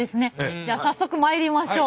じゃあ早速まいりましょう。